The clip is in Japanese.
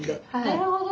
なるほど。